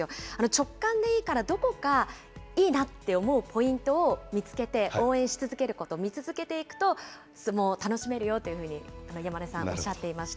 直感でいいから、どこかいいなって思うポイントを見つけて、応援し続けること、見続けていくと、相撲を楽しめるよというふうに山根さん、おっしゃっていました。